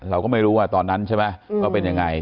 เราก็ไม่รู้ว่าตอนนั้นใช่ไหม